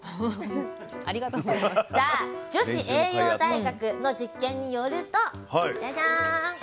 さあ女子栄養大学の実験によるとジャジャーン。